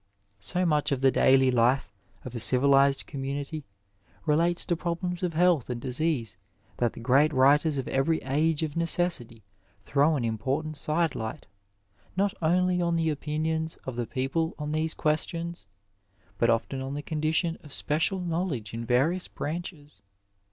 So much of the daily life of a civilized commnnity relates to problems of health and disease that the great writers of every age of necessity throw an important side light, not only on the opinions of the people on these qaestions, but often on the condition of special knowledge in various branches.